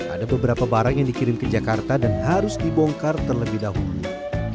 ada beberapa barang yang dikirim ke jakarta dan harus dibongkar terlebih dahulu